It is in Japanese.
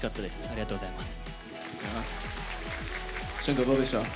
ありがとうございます。